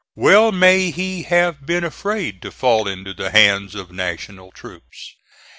Well may he have been afraid to fall into the hands of National troops.